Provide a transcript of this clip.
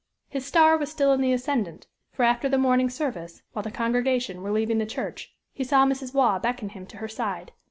His star was still in the ascendant, for after the morning service, while the congregation were leaving the church, he saw Mrs. Waugh beckon him to her side.